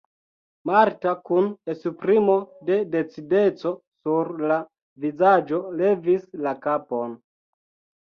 Marta kun esprimo de decideco sur la vizaĝo levis la kapon.